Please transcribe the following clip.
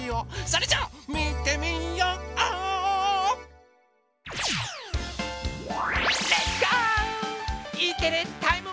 それじゃあみてみよう！